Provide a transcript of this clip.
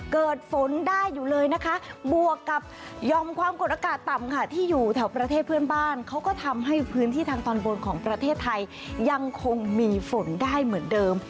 เกิดฝนได้อยู่เลยนะคะบวกกับยอมความกดอากาศต่ำค่ะที่อยู่แถวประเทศเพื่อนบ้านเขาก็ทำให้พื้นที่ทางตอนบนของประเทศไทยยังคงมีฝนได้เหมือนเดิม